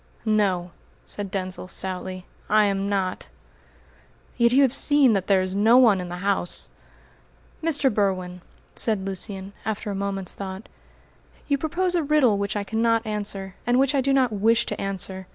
"No," said Denzil stoutly, "I am not!" "Yet you have seen that there is no one in the house!" "Mr. Berwin," said Lucian, after a moment's thought, "you propose a riddle which I cannot answer, and which I do not wish to answer.